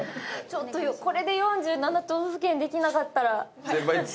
ちょっとこれで４７都道府県できなかったら。